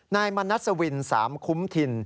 นายมณัสวินสามคุ้มถิ่น